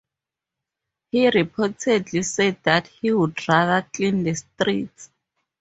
He reportedly said that he would rather "clean the streets".